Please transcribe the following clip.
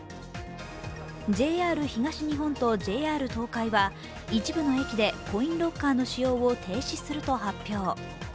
ＪＲ東日本とＪＲ東海は一部の駅でコインロッカーの使用を停止すると発表。